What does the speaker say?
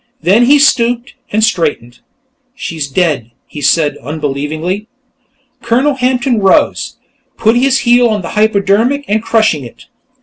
Then he stooped, and straightened. "She's dead!" he said, unbelievingly. Colonel Hampton rose, putting his heel on the hypodermic and crushing it.